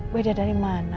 beda dari mana